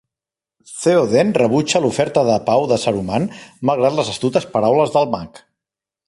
Théoden rebutja l'oferta de pau de Saruman malgrat les astutes paraules del mag.